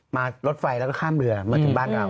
รถไฟแล้วก็ข้ามเรือมาถึงบ้านเรา